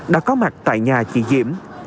đã có mặt tại nhà chị diễm